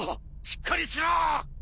しっかりしろ！